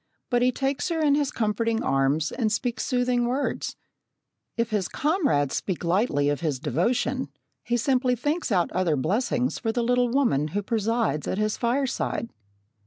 But he takes her in his comforting arms and speaks soothing words. If his comrades speak lightly of his devotion, he simply thinks out other blessings for the little woman who presides at his fireside.